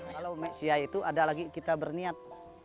kalau meksia itu ada lagi kita berniat